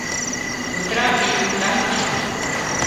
ڪوترا ٿي تنڳ ڇو